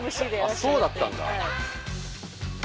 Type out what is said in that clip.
あそうだったんだ。